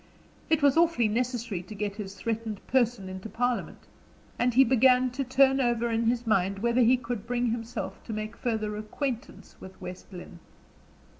It was awfully necessary to get his threatened person into parliament, and he began to turn over in his mind whether he could bring himself to make further acquaintance with West Lynne.